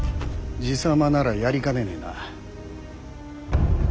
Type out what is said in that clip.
爺様ならやりかねねえな。